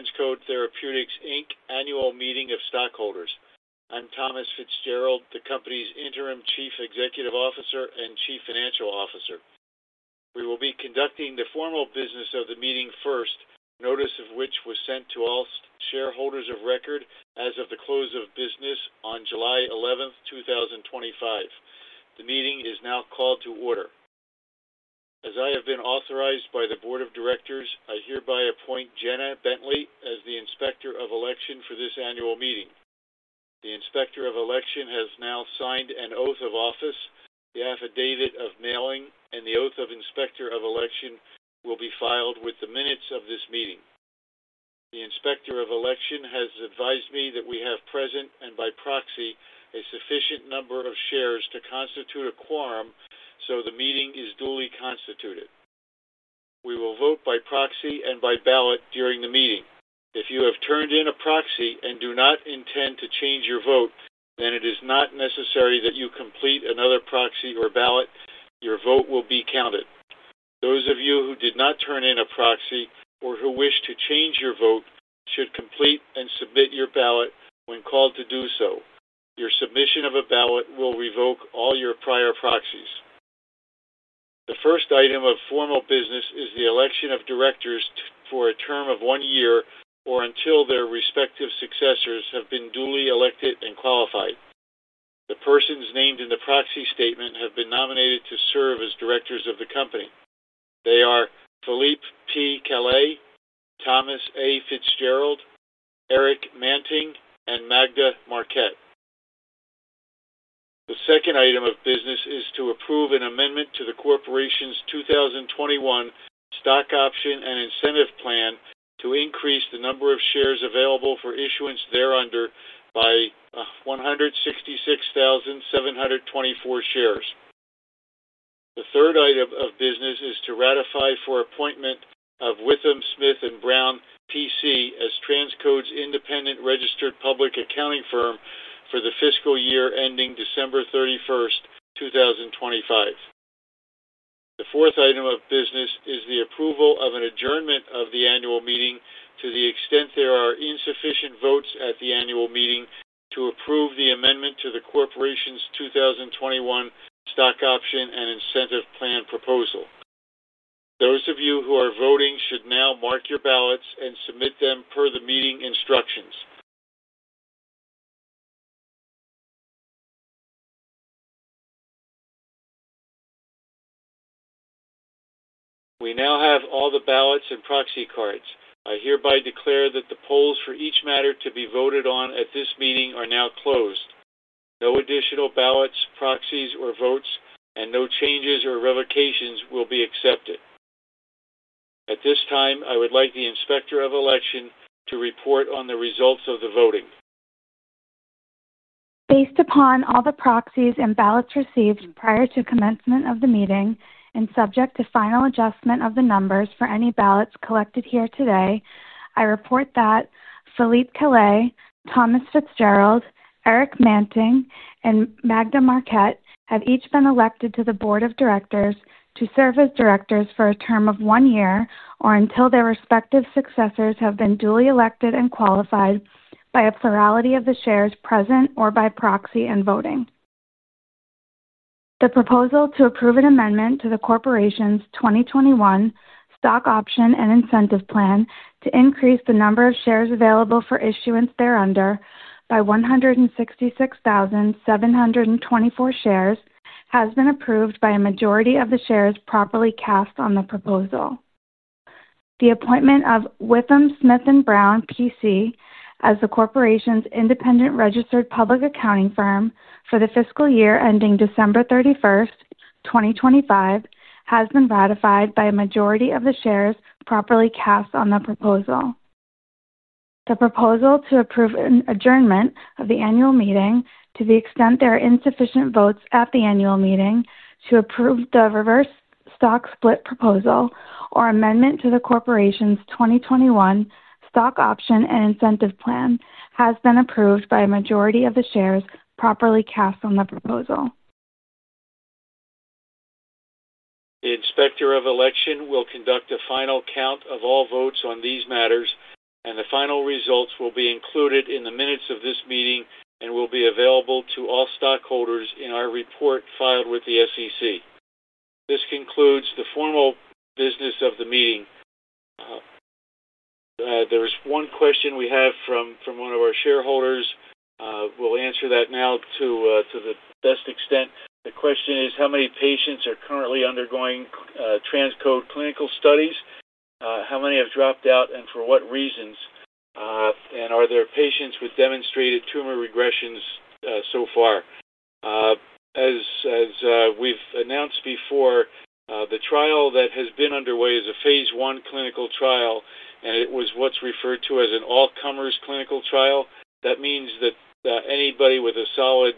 Hello, and welcome to the TransCode Therapeutics Inc. Annual Meeting of Stockholders. I'm Thomas Fitzgerald, the company's Interim Chief Executive Officer and Chief Financial Officer. We will be conducting the formal business of the meeting first, notice of which was sent to all shareholders of record as of the close of business on July 11th, 2025. The meeting is now called to order. As I have been authorized by the Board of Directors, I hereby appoint [Jenna Bentley] as the Inspector of Election for this annual meeting. The Inspector of Election has now signed an oath of office, the affidavit of mailing, and the oath of Inspector of Election will be filed with the minutes of this meeting. The Inspector of Election has advised me that we have present and by proxy a sufficient number of shares to constitute a quorum, so the meeting is duly constituted. We will vote by proxy and by ballot during the meeting. If you have turned in a proxy and do not intend to change your vote, then it is not necessary that you complete another proxy or ballot, your vote will be counted. Those of you who did not turn in a proxy or who wish to change your vote should complete and submit your ballot when called to do so. Your submission of a ballot will revoke all your prior proxies. The first item of formal business is the election of directors for a term of one year or until their respective successors have been duly elected and qualified. The persons named in the proxy statement have been nominated to serve as directors of the company. They are Philippe P. Calais, Thomas A. Fitzgerald, Eric Manting, and Magda Marquette. The second item of business is to approve an amendment to the corporation's 2021 Stock Option and Incentive Plan to increase the number of shares available for issuance thereunder by 166,724 shares. The third item of business is to ratify for appointment of Withum Smith + Brown, PC as TransCode's independent registered public accounting firm for the fiscal year ending December 31st, 2025. The fourth item of business is the approval of an adjournment of the annual meeting to the extent there are insufficient votes at the annual meeting to approve the amendment to the corporation's 2021 Stock Option and Incentive Plan proposal. Those of you who are voting should now mark your ballots and submit them per the meeting instructions. We now have all the ballots and proxy cards. I hereby declare that the polls for each matter to be voted on at this meeting are now closed. No additional ballots, proxies, or votes, and no changes or revocations will be accepted. At this time, I would like the Inspector of Election to report on the results of the voting. Based upon all the proxies and ballots received prior to commencement of the meeting and subject to final adjustment of the numbers for any ballots collected here today, I report that Philippe Calais, Thomas Fitzgerald, Eric Manting, and Magda Marquette have each been elected to the Board of Directors to serve as directors for a term of one year or until their respective successors have been duly elected and qualified by a plurality of the shares present or by proxy and voting. The proposal to approve an amendment to the corporation's 2021 Stock Option and Incentive Plan to increase the number of shares available for issuance thereunder by 166,724 shares has been approved by a majority of the shares properly cast on the proposal. The appointment of Withum Smith + Brown, PC as the corporation's independent registered public accounting firm for the fiscal year ending December 31st, 2025, has been ratified by a majority of the shares properly cast on the proposal. The proposal to approve an adjournment of the annual meeting to the extent there are insufficient votes at the annual meeting to approve the reverse stock split proposal or amendment to the corporation's 2021 Stock Option and Incentive Plan has been approved by a majority of the shares properly cast on the proposal. The inspector of election will conduct a final count of all votes on these matters, and the final results will be included in the minutes of this meeting and will be available to all stockholders in our report filed with the SEC. This concludes the formal business of the meeting. There is one question we have from one of our shareholders. We'll answer that now to the best extent. The question is, how many patients are currently undergoing TransCode clinical studies? How many have dropped out and for what reasons? And are there patients with demonstrated tumor regressions so far? As we've announced before, the trial that has been underway is a phase I clinical trial, and it was what's referred to as an all-comers clinical trial. That means that anybody with a solid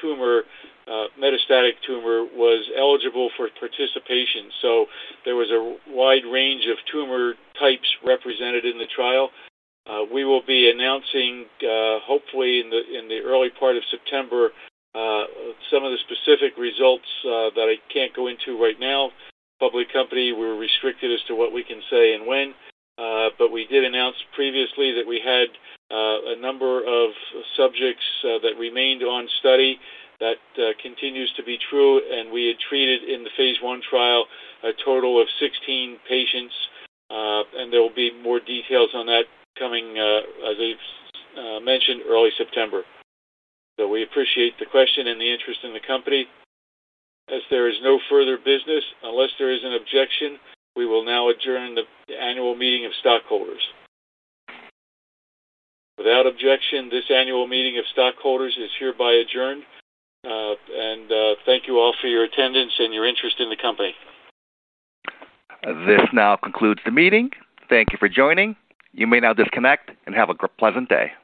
tumor, metastatic tumor, was eligible for participation. There was a wide range of tumor types represented in the trial. We will be announcing, hopefully, in the early part of September, some of the specific results that I can't go into right now. Public company, we're restricted as to what we can say and when. We did announce previously that we had a number of subjects that remained on study. That continues to be true, and we had treated in the phase I trial a total of 16 patients, and there will be more details on that coming, as I mentioned, early September. We appreciate the question and the interest in the company. As there is no further business, unless there is an objection, we will now adjourn the annual meeting of stockholders. Without objection, this annual meeting of stockholders is hereby adjourned. Thank you all for your attendance and your interest in the company. This now concludes the meeting. Thank you for joining. You may now disconnect and have a pleasant day.